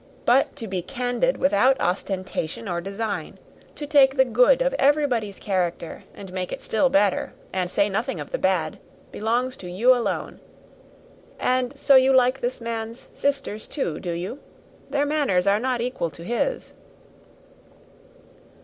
But to be candid without ostentation or design, to take the good of everybody's character and make it still better, and say nothing of the bad, belongs to you alone. And so, you like this man's sisters, too, do you? Their manners are not equal to his."